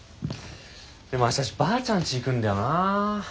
でも明日ばあちゃんち行くんだよなぁ。